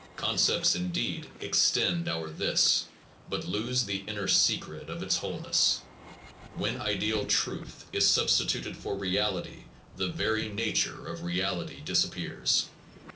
Concepts indeed extend our this, but lose the inner secret of its wholeness; when ideal truth is substituted for * reality the very nature of reality disappears.